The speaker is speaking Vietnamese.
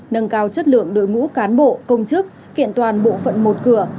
nâng cao chất lượng đội ngũ cán bộ công chức kiện toàn bộ phận một cửa